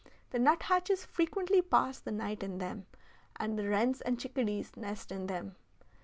The nut hatches frequently pass the night in them, and the wrens and chickadees nest in them.